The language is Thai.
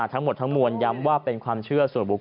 ทั้งหมดทั้งมวลย้ำว่าเป็นความเชื่อส่วนบุคค